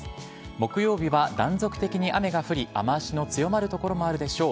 木曜日は断続的に雨が降り、雨足の強まる所もあるでしょう。